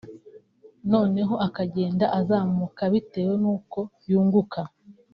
noneho akagenda azamuka bitewe n’uko yunguka